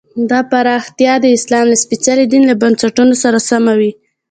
دا پراختیا د اسلام له سپېڅلي دین له بنسټونو سره سمه وي.